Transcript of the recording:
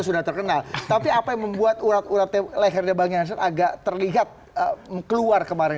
sudah terkenal tapi apa yang membuat urap urap lehernya banyak agak terlihat keluar kemarin